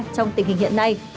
trong tình hình hiện nay